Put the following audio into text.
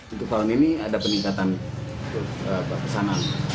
untuk tahun ini ada peningkatan pesanan